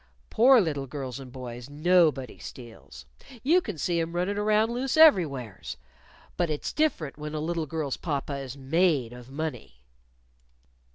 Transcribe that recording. Poor little girls and boys, _no_body steals. You can see 'em runnin' around loose everywheres. But it's different when a little girl's papa is made of money."